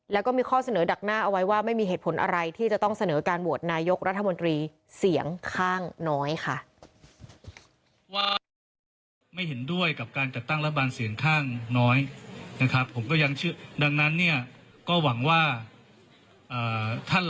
แล้วก็มีข้อเสนอดักหน้าเอาไว้ว่าไม่มีเหตุผลอะไรที่จะต้องเสนอการโหวตนายกรัฐมนตรีเสียงข้างน้อยค่ะ